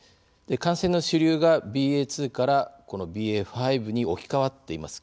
感染の主流が、ＢＡ．２からこのＢＡ．５に置き換わっています。